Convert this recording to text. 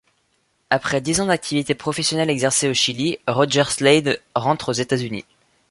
Après dix ans d'activité professionnelle exercée au Chili, Roger Slade rentre aux États-Unis.